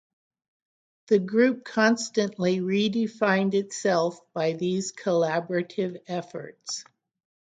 The group constantly redefined itself by these collaborative efforts.